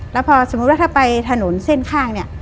แล้วพอสมมุติว่าถ้าไปถนนเส้นข้างเนี่ย